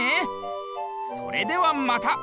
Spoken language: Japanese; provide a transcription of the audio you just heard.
それではまた！